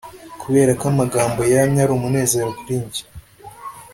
kuberako amagambo yamye ari umunezero kuri njye